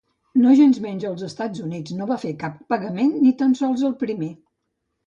Nogensmenys els Estats Units no van fer cap pagament, ni tan sols el primer.